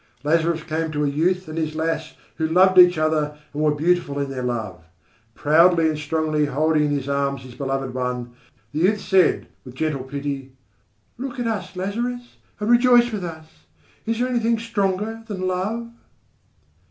Lazarus came to a youth and his lass who loved each other and were beautiful in their love. Proudly and strongly holding in his arms his beloved one, the youth said, with gentle pity: "Look at us, Lazarus, and rejoice with us. Is there anything stronger than love?"